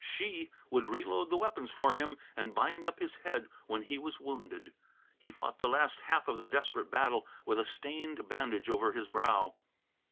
She would reload the weapons for him, and bind up his head when he was wounded. He fought the last half of the desperate battle with a stained bandage over his brow.